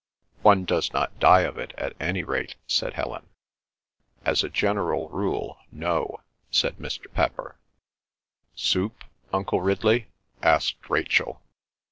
"One does not die of it, at any rate," said Helen. "As a general rule—no," said Mr. Pepper. "Soup, Uncle Ridley?" asked Rachel.